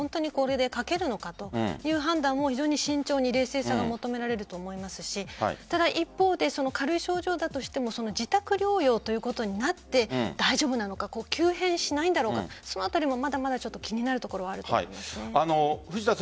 これでかけるのかという判断も非常に慎重に冷静さが求められると思いますし一方で、軽い症状だとしても自宅療養ということになって大丈夫なのか急変しないんだろうかそのあたりもまだ気になるところがあると思います。